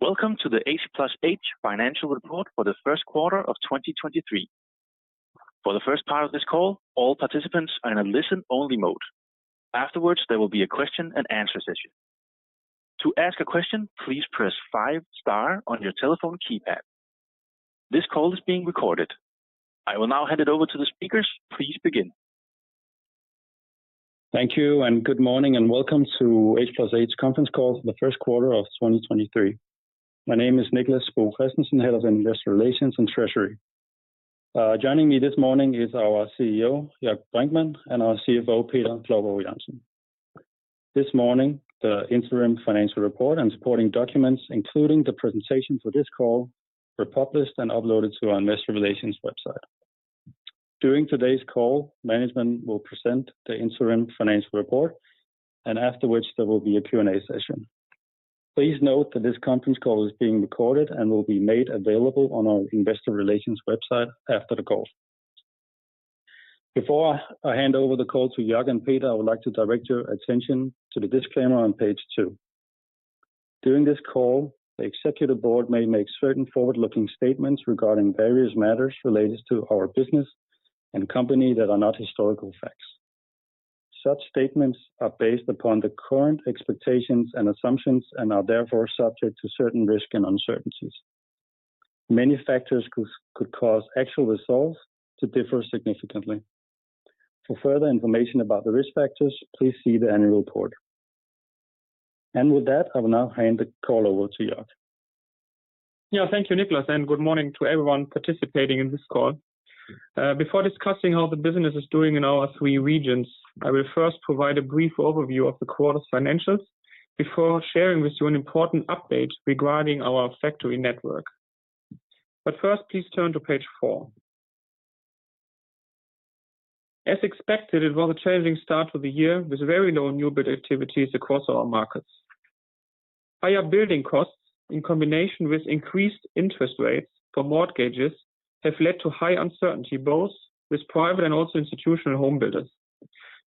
Welcome to the H+H financial report for the first quarter of 2023. For the first part of this call, all participants are in a listen-only mode. Afterwards, there will be a question and answer session. To ask a question, please press five star on your telephone keypad. This call is being recorded. I will now hand it over to the speakers. Please begin. Thank you good morning, and welcome to H+H conference call for the first quarter of 2023. My name is Niclas Bo Kristensen, Head of Investor Relations and Treasury. Joining me this morning is our CEO, Jörg Brinkmann, and our CFO, Peter Klovgaard-Jørgensen. This morning, the interim financial report and supporting documents, including the presentation for this call, were published and uploaded to our investor relations website. During today's call, management will present the interim financial report, and afterwards there will be a Q&A session. Please note that this conference call is being recorded and will be made available on our investor relations website after the call. Before I hand over the call to Jörg and Peter, I would like to direct your attention to the disclaimer on page two. During this call, the executive board may make certain forward-looking statements regarding various matters related to our business and company that are not historical facts. Such statements are based upon the current expectations and assumptions and are therefore subject to certain risks and uncertainties. Many factors could cause actual results to differ significantly. For further information about the risk factors, please see the annual report. With that, I will now hand the call over to Jörg. Yeah. Thank you, Niclas, good morning to everyone participating in this call. Before discussing how the business is doing in our three regions, I will first provide a brief overview of the quarter's financials before sharing with you an important update regarding our factory network. First, please turn to page four. As expected, it was a challenging start to the year with very low new build activities across our markets. Higher building costs in combination with increased interest rates for mortgages have led to high uncertainty, both with private and also institutional home builders.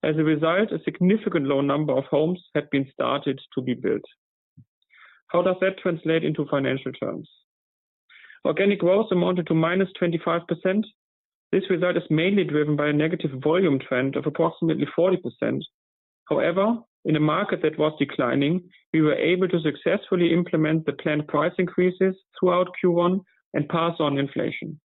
As a result, a significant low number of homes have been started to be built. How does that translate into financial terms? Organic growth amounted to minus 25%. This result is mainly driven by a negative volume trend of approximately 40%. However, in a market that was declining, we were able to successfully implement the planned price increases throughout Q1 and pass on inflation.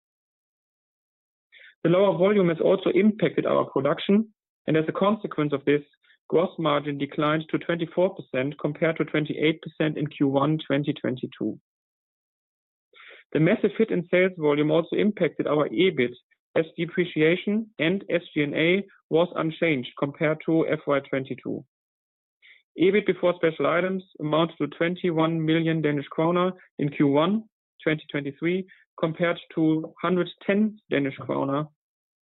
The lower volume has also impacted our production, and as a consequence of this, gross margin declined to 24% compared to 28% in Q1 2022. The massive hit in sales volume also impacted our EBIT as depreciation and SG&A was unchanged compared to FY 2022. EBIT before special items amounted to 21 million Danish kroner in Q1 2023, compared to 110 Danish kroner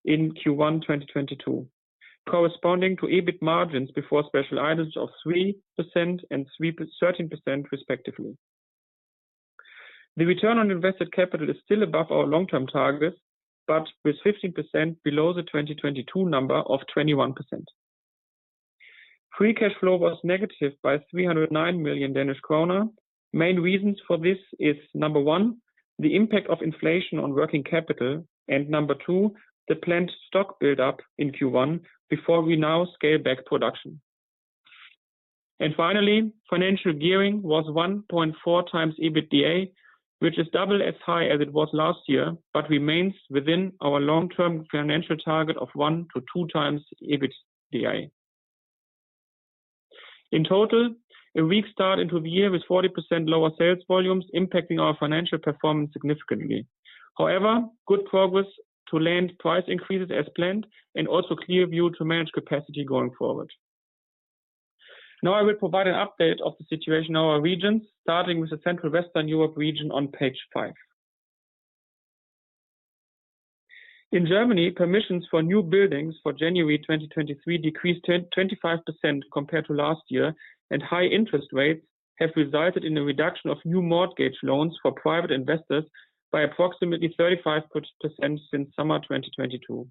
in Q1 2022, corresponding to EBIT margins before special items of 3% and 13% respectively. The return on invested capital is still above our long-term targets, but with 15% below the 2022 number of 21%. Free cash flow was negative by 309 million Danish kroner. Main reasons for this is, number one, the impact of inflation on working capital, and number two, the planned stock buildup in Q1 before we now scale back production. Finally, financial gearing was 1.4x EBITDA, which is double as high as it was last year, but remains within our long-term financial target of 1-2x EBITDA. In total, a weak start into the year with 40% lower sales volumes impacting our financial performance significantly. However, good progress to land price increases as planned and also clear view to manage capacity going forward. Now I will provide an update of the situation in our regions, starting with the Central Western Europe region on page five. In Germany, permissions for new buildings for January 2023 decreased 25% compared to last year. High interest rates have resulted in a reduction of new mortgage loans for private investors by approximately 35% since summer 2022.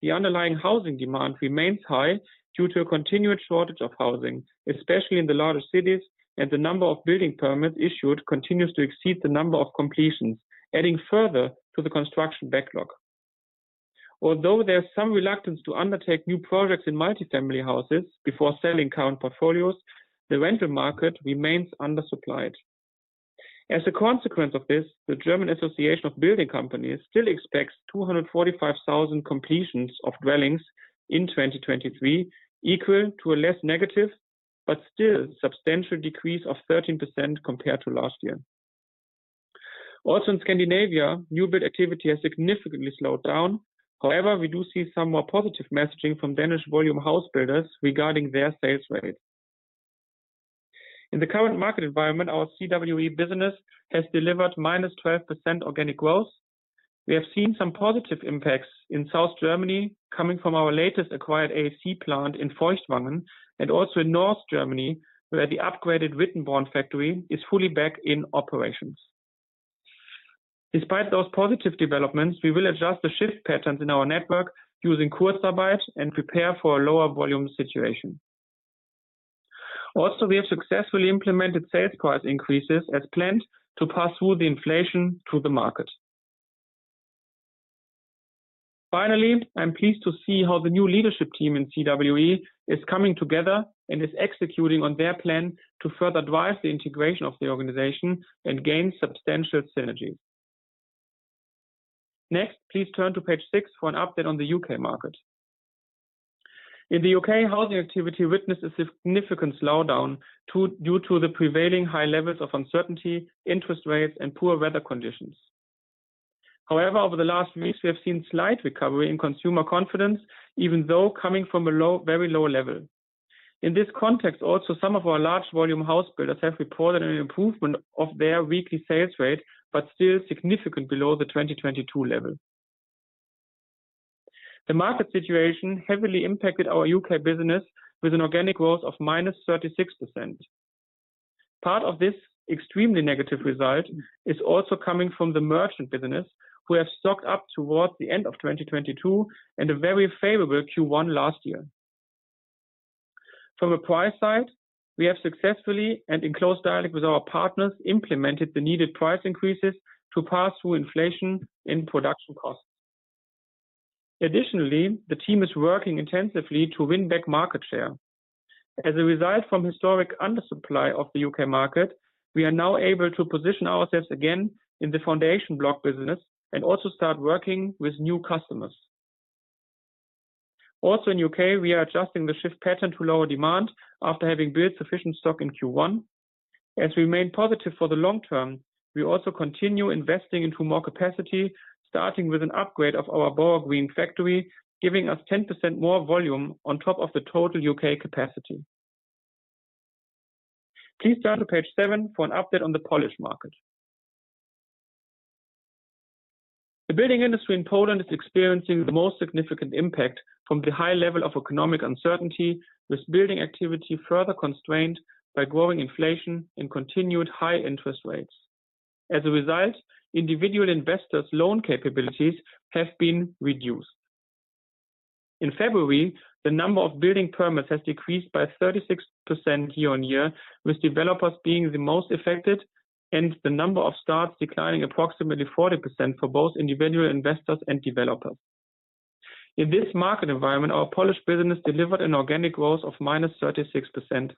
The underlying housing demand remains high due to a continued shortage of housing, especially in the larger cities. The number of building permits issued continues to exceed the number of completions, adding further to the construction backlog. Although there's some reluctance to undertake new projects in multi-family houses before selling current portfolios, the rental market remains undersupplied. As a consequence of this, the German Association of Building Companies still expects 245,000 completions of dwellings in 2023, equal to a less negative but still substantial decrease of 13% compared to last year. In Scandinavia, new build activity has significantly slowed down. We do see some more positive messaging from Danish volume house builders regarding their sales rates. In the current market environment, our CWE business has delivered -12% organic growth. We have seen some positive impacts in South Germany coming from our latest acquired AAC plant in Feuchtwangen and also in North Germany, where the upgraded Wittenborn factory is fully back in operations. Despite those positive developments, we will adjust the shift patterns in our network using Kurzarbeit and prepare for a lower volume situation. We have successfully implemented sales price increases as planned to pass through the inflation to the market. I'm pleased to see how the new leadership team in CWE is coming together and is executing on their plan to further drive the integration of the organization and gain substantial synergies. Next, please turn to page six for an update on the U.K. market. In the U.K., housing activity witnessed a significant slowdown due to the prevailing high levels of uncertainty, interest rates, and poor weather conditions. However, over the last weeks, we have seen slight recovery in consumer confidence, even though coming from a very low level. In this context, also, some of our large volume house builders have reported an improvement of their weekly sales rate, but still significant below the 2022 level. The market situation heavily impacted our U.K. business with an organic growth of minus 36%. Part of this extremely negative result is also coming from the merchant business who have stocked up towards the end of 2022 and a very favorable Q1 last year. From a price side, we have successfully, and in close dialogue with our partners, implemented the needed price increases to pass through inflation in production costs. Additionally, the team is working intensively to win back market share. As a result from historic undersupply of the U.K. market, we are now able to position ourselves again in the foundation block business and also start working with new customers. Also in U.K., we are adjusting the shift pattern to lower demand after having built sufficient stock in Q1. As we remain positive for the long term, we also continue investing into more capacity, starting with an upgrade of our Borough Green factory, giving us 10% more volume on top of the total U.K. capacity. Please turn to page seven for an update on the Polish market. The building industry in Poland is experiencing the most significant impact from the high level of economic uncertainty, with building activity further constrained by growing inflation and continued high interest rates. As a result, individual investors' loan capabilities have been reduced. In February, the number of building permits has decreased by 36% year-on-year, with developers being the most affected and the number of starts declining approximately 40% for both individual investors and developers. In this market environment, our Polish business delivered an organic growth of minus 36%.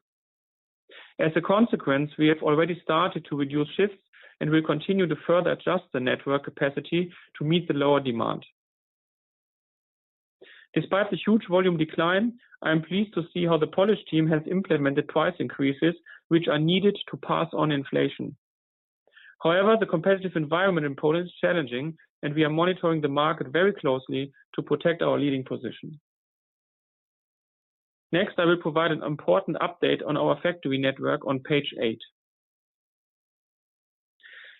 As a consequence, we have already started to reduce shifts, and we continue to further adjust the network capacity to meet the lower demand. Despite the huge volume decline, I am pleased to see how the Polish team has implemented price increases, which are needed to pass on inflation. However, the competitive environment in Poland is challenging, and we are monitoring the market very closely to protect our leading position. Next, I will provide an important update on our factory network on page eight.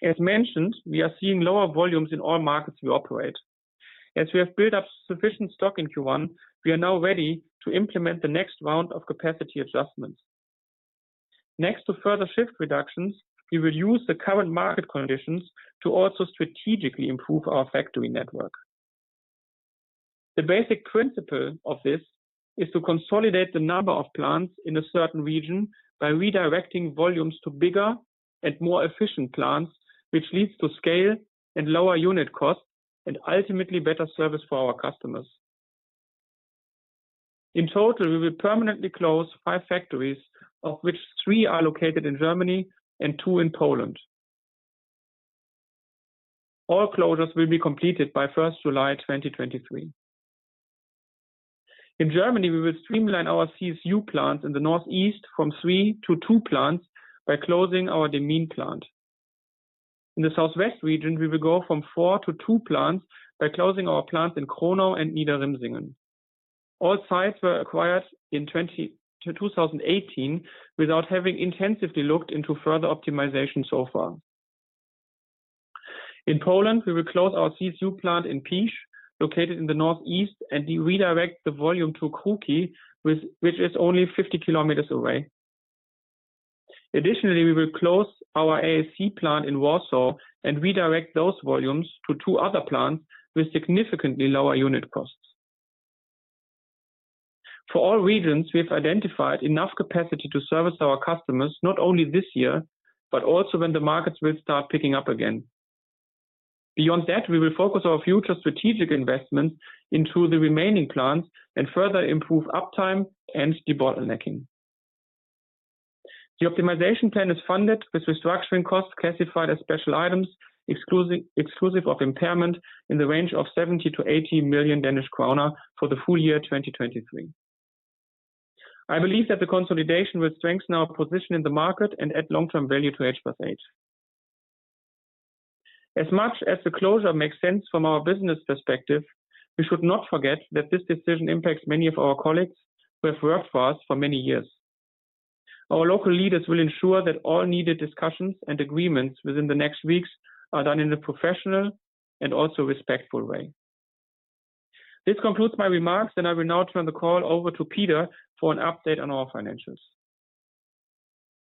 As mentioned, we are seeing lower volumes in all markets we operate. As we have built up sufficient stock in Q1, we are now ready to implement the next round of capacity adjustments. Next to further shift reductions, we will use the current market conditions to also strategically improve our factory network. The basic principle of this is to consolidate the number of plants in a certain region by redirecting volumes to bigger and more efficient plants, which leads to scale and lower unit costs and ultimately better service for our customers. In total, we will permanently close five factories, of which three are located in Germany and two in Poland. All closures will be completed by 1st of July 2023. In Germany, we will streamline our CSU plants in the northeast from three to two plants by closing our Demmin plant. In the southwest region, we will go from four to two plants by closing our plant in Kronau and Niederrimsingen. All sites were acquired in 2018 without having intensively looked into further optimization so far. In Poland, we will close our CSU plant in Pisz, located in the northeast, and redirect the volume to Kruki, which is only 50 km away. Additionally, we will close our AAC plant in Warsaw and redirect those volumes to two other plants with significantly lower unit costs. For all regions, we have identified enough capacity to service our customers not only this year, but also when the markets will start picking up again. Beyond that, we will focus our future strategic investments into the remaining plants and further improve uptime and debottlenecking. The optimization plan is funded with restructuring costs classified as special items, exclusive of impairment in the range of 70 million-80 million Danish kroner for the full year 2023. I believe that the consolidation will strengthen our position in the market and add long-term value to H+H. As much as the closure makes sense from our business perspective, we should not forget that this decision impacts many of our colleagues who have worked for us for many years. Our local leaders will ensure that all needed discussions and agreements within the next weeks are done in a professional and also respectful way. This concludes my remarks, and I will now turn the call over to Peter for an update on our financials.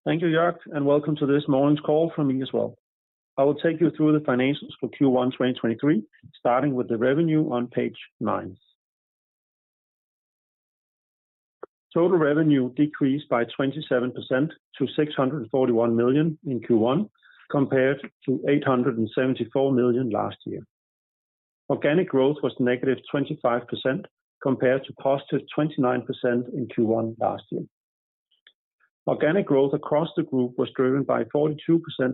Thank you, Jörg. Welcome to this morning's call from me as well. I will take you through the financials for Q1 2023, starting with the revenue on page nine. Total revenue decreased by 27% to 641 million in Q1, compared to 874 million last year. Organic growth was -25% compared to +29% in Q1 last year. Organic growth across the group was driven by 42%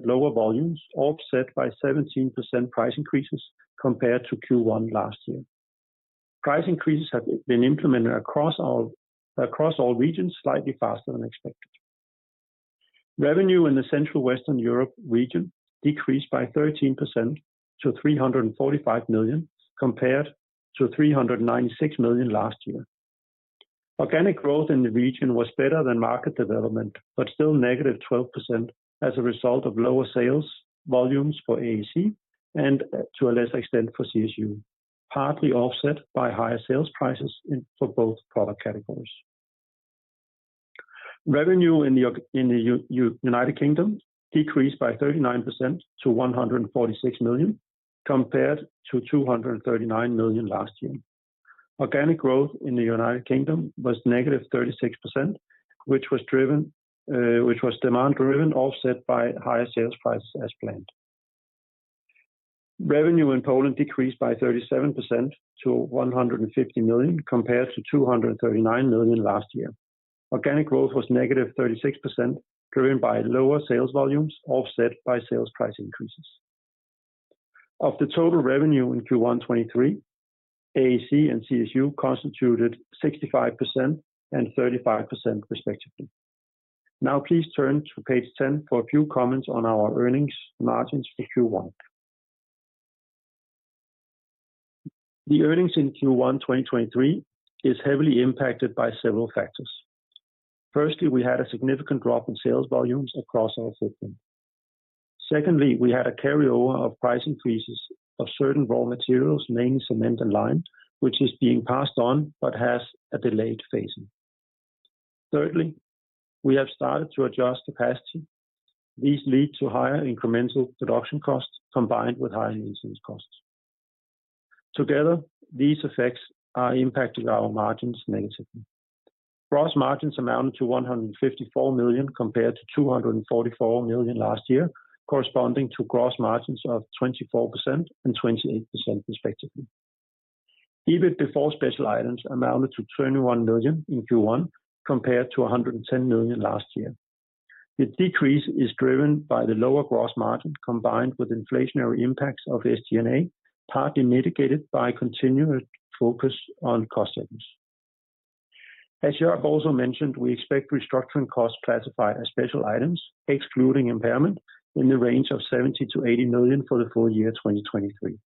lower volumes, offset by 17% price increases compared to Q1 last year. Price increases have been implemented across all regions slightly faster than expected. Revenue in the Central Western Europe region decreased by 13% to 345 million compared to 396 million last year. Organic growth in the region was better than market development, but still -12% as a result of lower sales volumes for AAC, and to a lesser extent for CSU, partly offset by higher sales prices for both product categories. Revenue in the United Kingdom decreased by 39% to 146 million, compared to 239 million last year. Organic growth in the United Kingdom was -36%, which was demand-driven, offset by higher sales prices as planned. Revenue in Poland decreased by 37% to 150 million, compared to 239 million last year. Organic growth was -36%, driven by lower sales volumes, offset by sales price increases. Of the total revenue in Q1 2023, AAC and CSU constituted 65% and 35% respectively. Please turn to page 10 for a few comments on our earnings margins for Q1. The earnings in Q1 2023 is heavily impacted by several factors. Firstly, we had a significant drop in sales volumes across our system. Secondly, we had a carryover of price increases of certain raw materials, mainly cement and lime, which is being passed on but has a delayed phasing. Thirdly, we have started to adjust capacity. These lead to higher incremental production costs combined with higher insurance costs. Together, these effects are impacting our margins negatively. Gross margins amounted to 154 million compared to 244 million last year, corresponding to gross margins of 24% and 28% respectively. EBIT before special items amounted to 21 million in Q1, compared to 110 million last year. The decrease is driven by the lower gross margin combined with inflationary impacts of SG&A, partly mitigated by continued focus on cost savings. As Jörg also mentioned, we expect restructuring costs classified as special items, excluding impairment, in the range of 70 million-80 million for the full year 2023.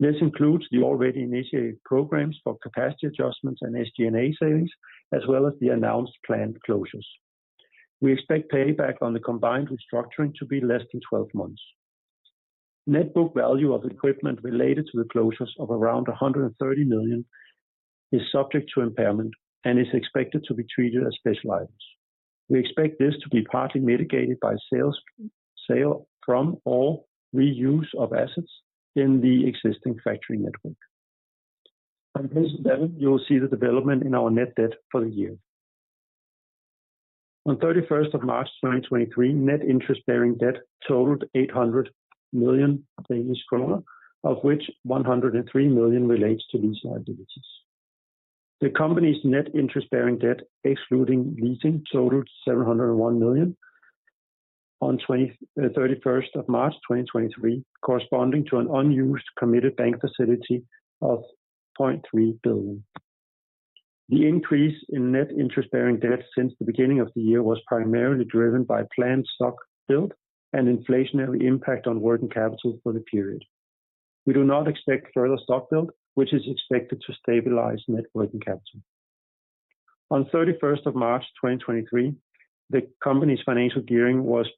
This includes the already initiated programs for capacity adjustments and SG&A savings, as well as the announced planned closures. We expect payback on the combined restructuring to be less than 12 months. Net book value of equipment related to the closures of around 130 million is subject to impairment and is expected to be treated as special items. We expect this to be partly mitigated by sales, sale from or reuse of assets in the existing factory network. On page 11, you will see the development in our net debt for the year. On 31st of March 2023, net interest-bearing debt totaled 800 million Danish kroner, of which 103 million relates to lease liabilities. The company's net interest-bearing debt, excluding leasing, totaled 701 million on 31st of March 2023, corresponding to an unused committed bank facility of 0.3 billion. The increase in net interest-bearing debt since the beginning of the year was primarily driven by planned stock build and inflationary impact on working capital for the period. We do not expect further stock build, which is expected to stabilize net working capital. On 31st of March 2023, the company's financial gearing was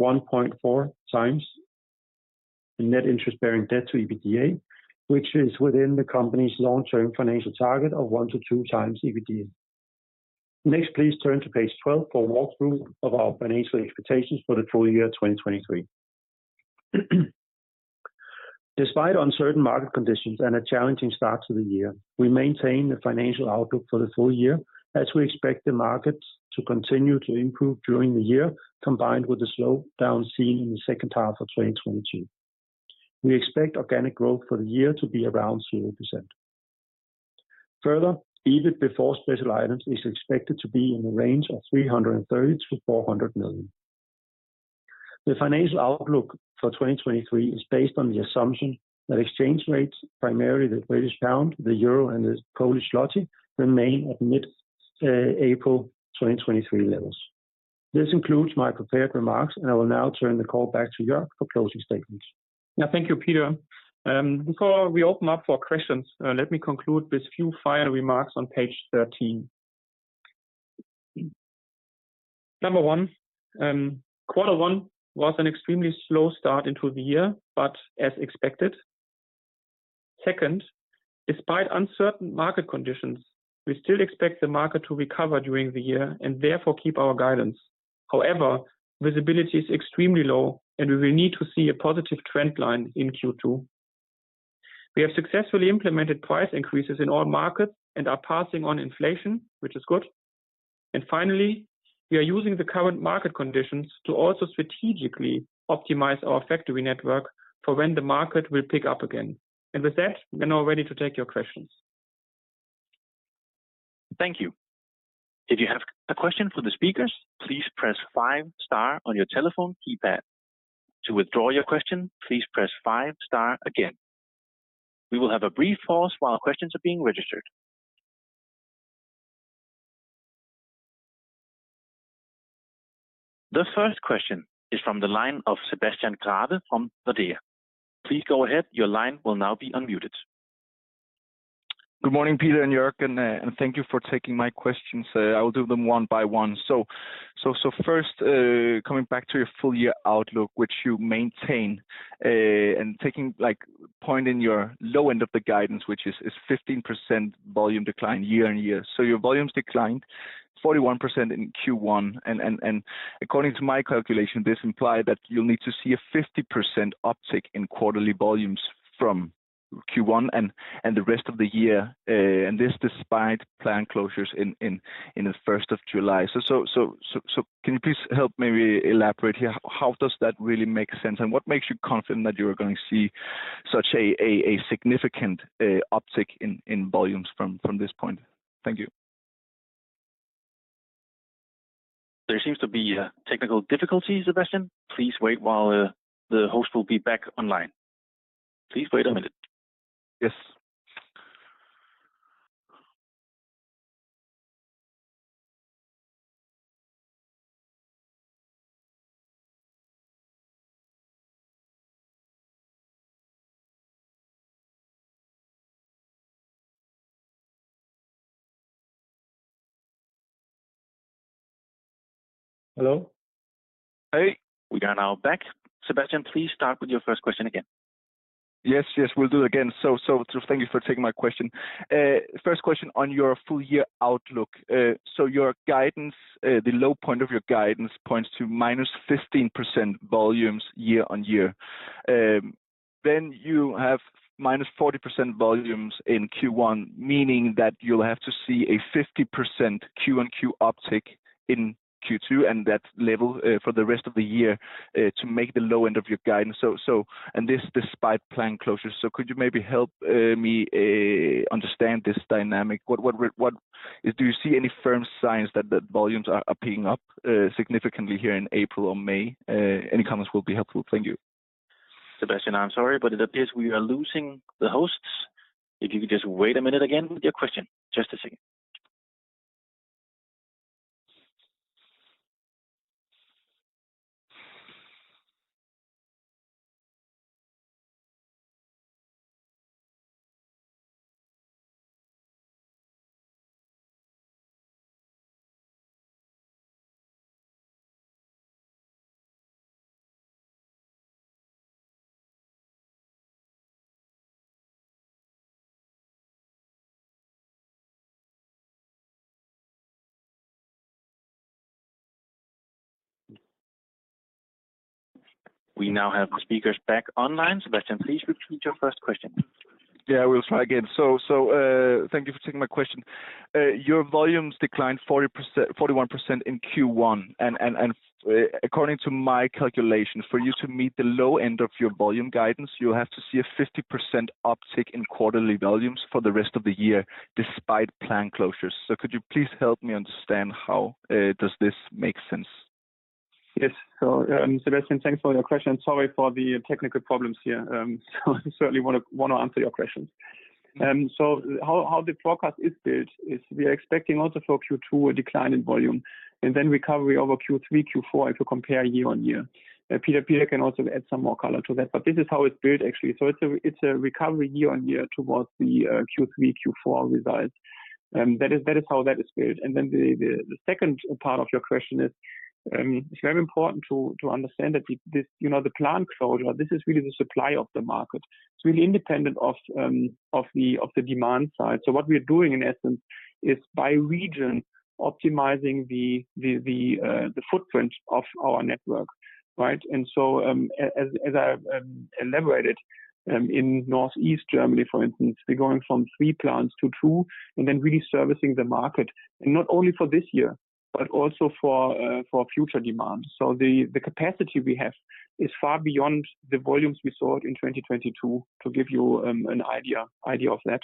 1.4x net interest-bearing debt to EBITDA, which is within the company's long-term financial target of 1x-2x EBITDA. Please turn to page 12 for a walkthrough of our financial expectations for the full year 2023. Despite uncertain market conditions and a challenging start to the year, we maintain the financial outlook for the full year as we expect the markets to continue to improve during the year, combined with the slowdown seen in the second half of 2022. We expect organic growth for the year to be around 0%. EBIT before special items is expected to be in the range of 330 million-400 million. The financial outlook for 2023 is based on the assumption that exchange rates, primarily the GBP, the EUR, and the PLN, remain at mid-April 2023 levels. This concludes my prepared remarks. I will now turn the call back to Jörg for closing statements. Thank you, Peter. Before we open up for questions, let me conclude with few final remarks on page 13. Number one, quarter one was an extremely slow start into the year, but as expected. Second, despite uncertain market conditions, we still expect the market to recover during the year and therefore keep our guidance. Visibility is extremely low, and we will need to see a positive trend line in Q2. We have successfully implemented price increases in all markets and are passing on inflation, which is good. Finally, we are using the current market conditions to also strategically optimize our factory network for when the market will pick up again. With that, we are now ready to take your questions. Thank you. If you have a question for the speakers, please press five star on your telephone keypad. To withdraw your question, please press five star again. We will have a brief pause while questions are being registered. The first question is from the line of Sebastian Grave from Nordea. Please go ahead. Your line will now be unmuted. Good morning, Peter and Jörg, and thank you for taking my questions. I will do them one by one. First, coming back to your full year outlook, which you maintain, and taking like point in your low end of the guidance, which is 15% volume decline year-on-year. Your volumes declined 41% in Q1. According to my calculation, this imply that you'll need to see a 50% uptick in quarterly volumes from Q1 and the rest of the year, and this despite plant closures in the 1st of July. So can you please help maybe elaborate here, how does that really make sense, and what makes you confident that you are gonna see such a significant uptick in volumes from this point? Thank you. There seems to be technical difficulties, Sebastian. Please wait while the host will be back online. Please wait a minute. Yes. Hello? Hey, we are now back. Sebastian, please start with your first question again. Yes, we'll do it again. Thank you for taking my question. First question on your full year outlook. Your guidance, the low point of your guidance points to -15% volumes year-on-year. Then you have -40% volumes in Q1, meaning that you'll have to see a 50% Q-on-Q uptick in Q2 and that level for the rest of the year to make the low end of your guidance. And this despite plant closures. Could you maybe help me understand this dynamic? Do you see any firm signs that volumes are picking up significantly here in April or May? Any comments will be helpful. Thank you. Sebastian, I'm sorry, it appears we are losing the hosts. If you could just wait a minute again with your question. Just a second. We now have the speakers back online. Sebastian, please repeat your first question. Yeah, we'll try again. Thank you for taking my question. Your volumes declined 41% in Q1. According to my calculation, for you to meet the low end of your volume guidance, you'll have to see a 50% uptick in quarterly volumes for the rest of the year despite plant closures. Could you please help me understand how does this make sense? Yes. Sebastian, thanks for your question, and sorry for the technical problems here. Certainly wanna answer your questions. How the forecast is built is we are expecting also for Q2 a decline in volume, and then recovery over Q3, Q4 if you compare year-on-year. Peter can also add some more color to that, but this is how it's built actually. It's a recovery year-on-year towards the Q3, Q4 results. That is how that is built. The second part of your question is, it's very important to understand that this, you know, the plant closure, this is really the supply of the market. It's really independent of the demand side. What we're doing in essence is by region optimizing the, the footprint of our network, right? As, as I've elaborated, in Northeast Germany, for instance, we're going from three plants to two and then really servicing the market. Not only for this year, but also for future demand. The, the capacity we have is far beyond the volumes we saw in 2022, to give you an idea of that.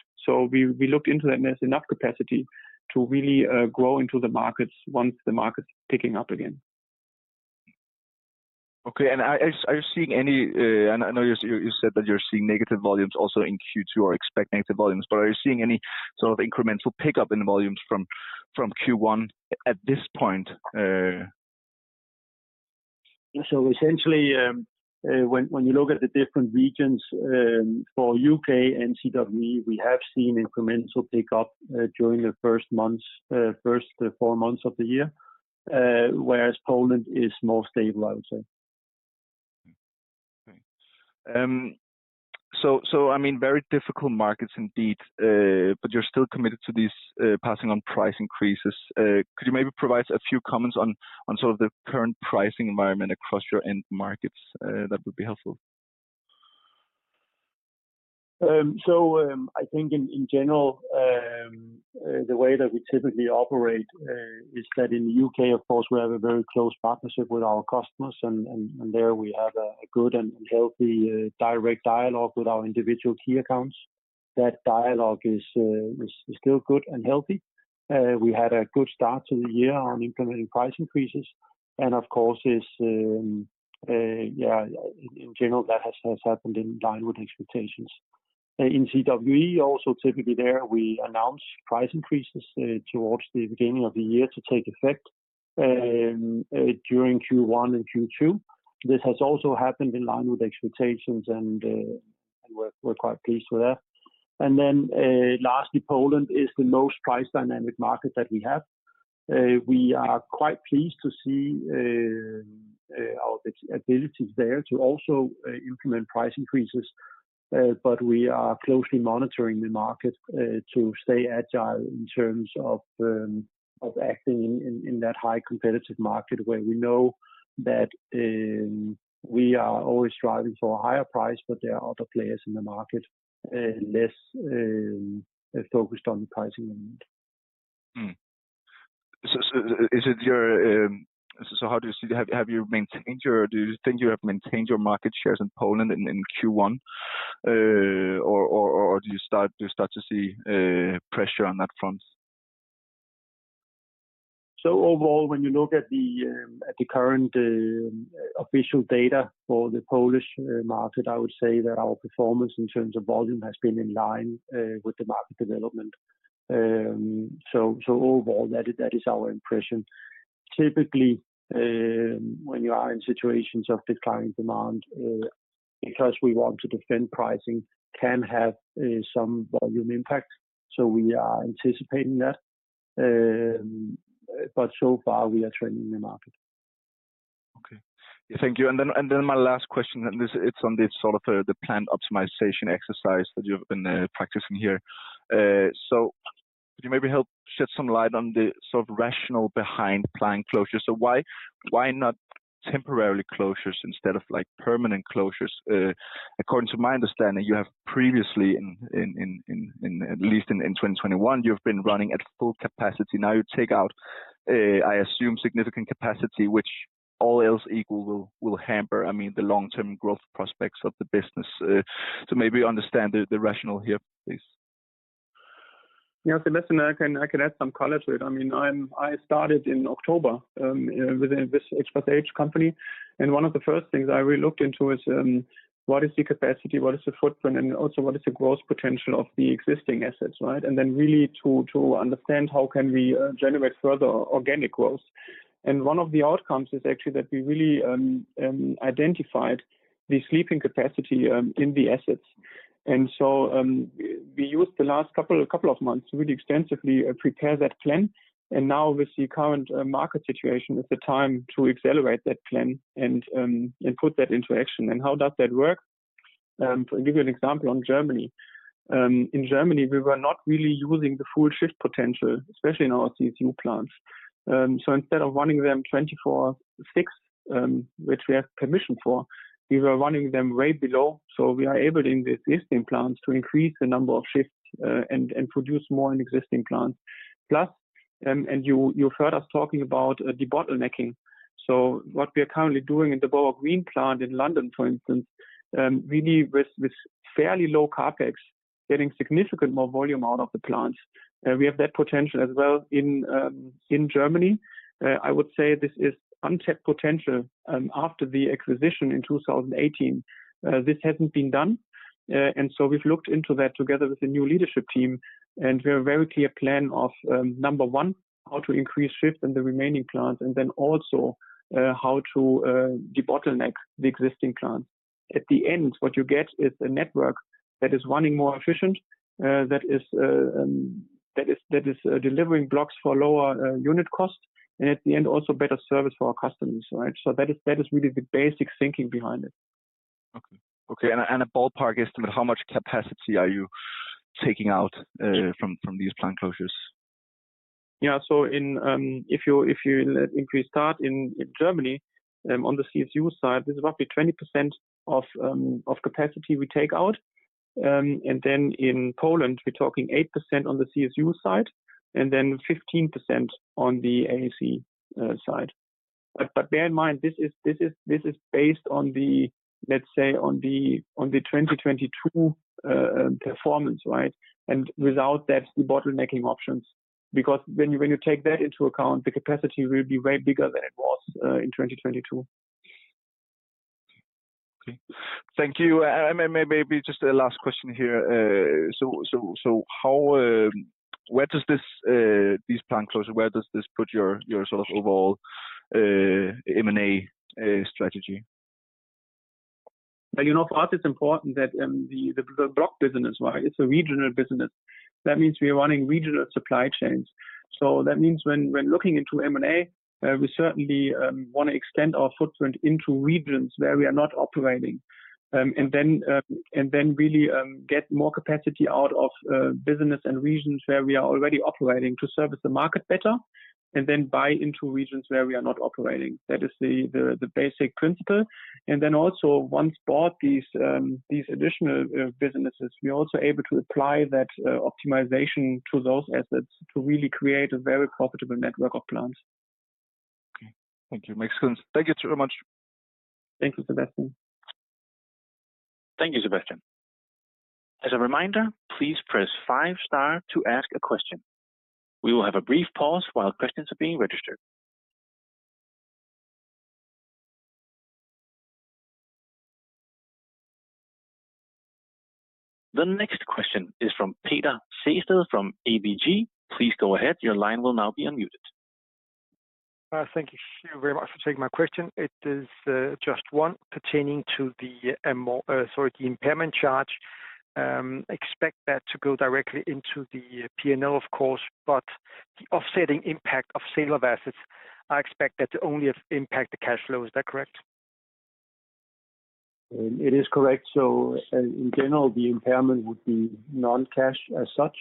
We, we looked into that, and there's enough capacity to really grow into the markets once the market's picking up again. Okay. Are you seeing any... I know you said that you're seeing negative volumes also in Q2 or expect negative volumes. Are you seeing any sort of incremental pickup in volumes from Q1 at this point? Essentially, when you look at the different regions, for U.K. and CWE, we have seen incremental pickup, during the first months, first four months of the year, whereas Poland is more stable, I would say. Okay. I mean, very difficult markets indeed. You're still committed to these, passing on price increases. Could you maybe provide a few comments on sort of the current pricing environment across your end markets? That would be helpful. I think in general, the way that we typically operate, is that in the U.K., of course, we have a very close partnership with our customers and there we have a good and healthy, direct dialogue with our individual key accounts. That dialogue is still good and healthy. We had a good start to the year on implementing price increases, and of course this, yeah, in general that has happened in line with expectations. In CWE also typically there we announce price increases, towards the beginning of the year to take effect, during Q1 and Q2. This has also happened in line with expectations and we're quite pleased with that. Lastly, Poland is the most price dynamic market that we have. We are quite pleased to see our abilities there to also implement price increases. We are closely monitoring the market to stay agile in terms of acting in that high competitive market where we know that we are always striving for a higher price, but there are other players in the market less focused on the pricing environment. Do you think you have maintained your market shares in Poland in Q1? Do you start to see pressure on that front? Overall, when you look at the current official data for the Polish market, I would say that our performance in terms of volume has been in line with the market development. Overall that is our impression. Typically, when you are in situations of declining demand, because we want to defend pricing can have some volume impact, so we are anticipating that. So far we are trending the market. Okay. Thank you. Then my last question, and this, it's on the sort of the plant optimization exercise that you've been practicing here. Could you maybe help shed some light on the sort of rationale behind plant closures? Why, why not temporarily closures instead of like permanent closures? According to my understanding, you have previously in at least in 2021, you've been running at full capacity. Now you take out, I assume significant capacity, which all else equal will hamper, I mean, the long-term growth prospects of the business. Maybe understand the rationale here, please. Listen, I can add some color to it. I mean, I started in October within this H+H company, one of the first things I really looked into is, what is the capacity, what is the footprint, and also what is the growth potential of the existing assets, right? Then really to understand how can we generate further organic growth. One of the outcomes is actually that we really identified the sleeping capacity in the assets. So, we used the last couple of months to really extensively prepare that plan. Now with the current market situation is the time to accelerate that plan and put that into action. How does that work? To give you an example on Germany. In Germany, we were not really using the full shift potential, especially in our CSU plants. Instead of running them 24/6, which we have permission for, we were running them way below. We are able in the existing plants to increase the number of shifts and produce more in existing plants. Plus, and you heard us talking about debottlenecking. What we are currently doing in the Borough Green plant in London, for instance, really with fairly low CapEx, getting significant more volume out of the plants. We have that potential as well in Germany. I would say this is untapped potential after the acquisition in 2018. This hasn't been done. We've looked into that together with the new leadership team, and we have a very clear plan of, number one, how to increase shifts in the remaining plants, and then also how to debottleneck the existing plants. At the end, what you get is a network that is running more efficient, that is delivering blocks for lower unit cost and at the end also better service for our customers, right? That is really the basic thinking behind it. Okay. Okay. A ballpark estimate, how much capacity are you taking out from these plant closures? Yeah. In, if we start in Germany, on the CSU side, this is roughly 20% of capacity we take out. In Poland, we're talking 8% on the CSU side and then 15% on the AAC side. Bear in mind, this is based on the, let's say, on the 2022 performance, right? Without that debottlenecking options, because when you take that into account, the capacity will be way bigger than it was in 2022. Okay. Thank you. Maybe just a last question here. Where does this these plant closure, where does this put your sort of overall M&A strategy? You know, for us it's important that the block business, right, it's a regional business. That means we are running regional supply chains. That means when looking into M&A, we certainly wanna extend our footprint into regions where we are not operating. And then really get more capacity out of business and regions where we are already operating to service the market better, and then buy into regions where we are not operating. That is the basic principle. Also once bought these additional businesses, we're also able to apply that optimization to those assets to really create a very profitable network of plants. Okay. Thank you. Makes sense. Thank you so much. Thank you, Sebastian. Thank you, Sebastian. As a reminder, please press five star to ask a question. We will have a brief pause while questions are being registered. The next question is from Peter Kurt Nielsen from ABG. Please go ahead. Your line will now be unmuted. Thank you very much for taking my question. It is just one pertaining to the impairment charge. Expect that to go directly into the P&L of course, but the offsetting impact of sale of assets, I expect that to only impact the cash flow. Is that correct? It is correct. In general, the impairment would be non-cash as such.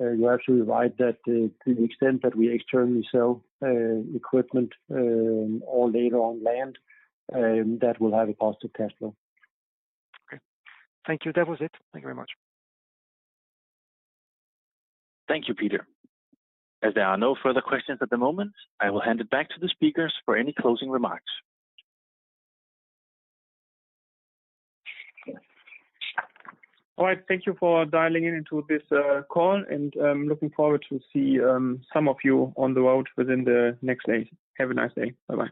You're absolutely right that to the extent that we externally sell equipment, or later on land, that will have a positive cash flow. Okay. Thank you. That was it. Thank you very much. Thank you, Peter. As there are no further questions at the moment, I will hand it back to the speakers for any closing remarks. All right. Thank you for dialing in to this call, and looking forward to see some of you on the road within the next days. Have a nice day. Bye-bye.